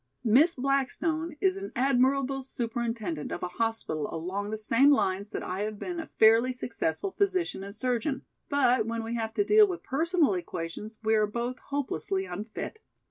Miss Blackstone is an admirable superintendent of a hospital along the same lines that I have been a fairly successful physician and surgeon, but when we have to deal with personal equations we are both hopelessly unfit."